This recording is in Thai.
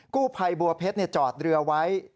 กู้ไพรบัวเพชรจเรือไว้